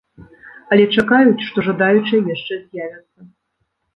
Але чакаюць, што жадаючыя яшчэ з'явяцца.